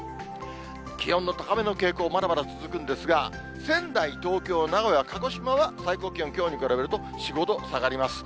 気温の高めの傾向、まだまだ続くんですが、仙台、東京、名古屋、鹿児島は、最高気温きょうに比べると４、５度下がります。